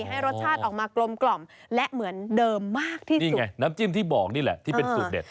ให้รสชาติออกมากลมกล่อมและเหมือนเดิมมากที่สุดนี่ไงน้ำจิ้มที่บอกนี่แหละที่เป็นสูตรเด็ด